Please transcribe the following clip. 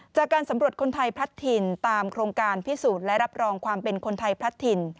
จากการสำรวจคนไทยพลัดถิ่นตามโครงการพิสูจน์และรับรองความเป็นคนไทยพลัดถิ่น